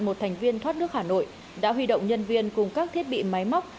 một thành viên thoát nước hà nội đã huy động nhân viên cùng các thiết bị máy móc